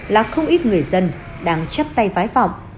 là không ít người dân đang chấp tay phái phòng